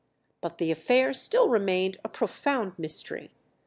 But the affair still remained a profound mystery.